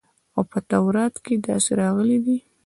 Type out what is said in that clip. او په تورات کښې داسې راغلي دي.